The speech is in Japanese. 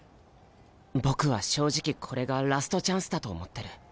僕は正直これがラストチャンスだと思ってる。